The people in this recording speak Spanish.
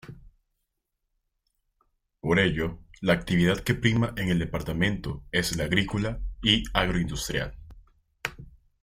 Por ello la actividad que prima en el departamento es la agrícola y agroindustrial.